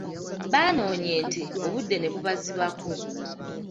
Baanoonya ente, obudde ne bubazibako.